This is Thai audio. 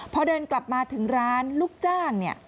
พอเดินกลับมาถึงร้านลูกจ้างเนี่ย